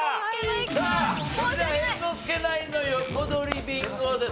さあそれでは猿之助ナインの横取りビンゴです。